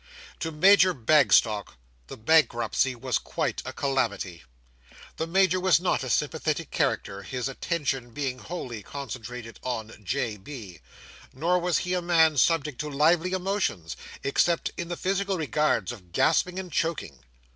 To Major Bagstock, the bankruptcy was quite a calamity. The Major was not a sympathetic character—his attention being wholly concentrated on J. B.—nor was he a man subject to lively emotions, except in the physical regards of gasping and choking.